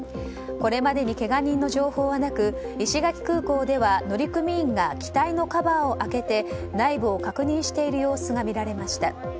これまでにけが人の情報はなく石垣空港では乗組員が機体のカバーを開けて内部を確認している様子が見られました。